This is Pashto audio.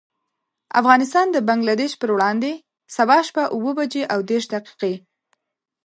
افغانستان د بنګلدېش پر وړاندې، سبا شپه اوه بجې او دېرش دقيقې.